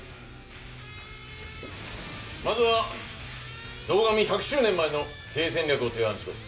まずは堂上１００周年までの経営戦略を提案しろ。